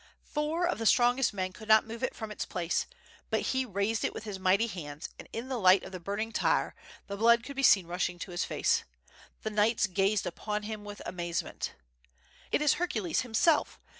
Four of the strongest men could not move it from its place, but he raised it with his mighty hands, and in the light of the burning tar the blood could be seen rushing to his face. The knights gazed upon him with amazement. "It is Hercules himself!